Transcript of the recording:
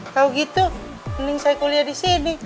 kalo gitu mending saya kuliah disini